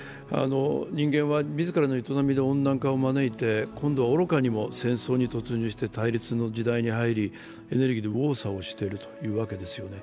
人間は自らの営みで温暖化を招いて、今度は愚かにも戦争に突入して対立の時代に入りエネルギーで右往左往しているというわけですよね。